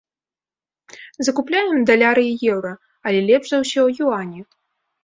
Закупляем даляры і еўра, але лепш за ўсё юані.